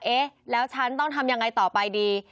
เอ๊ะแล้วฉันต้องทำยังไงต่อไปดี